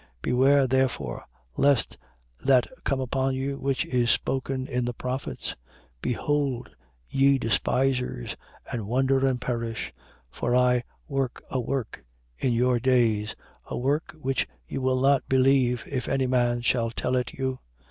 13:40. Beware, therefore, lest that come upon you which is spoken in the prophets: 13:41. Behold, ye despisers, and wonder and perish: for I work a work in your days, a work which you will not believe, if any man shall tell it you.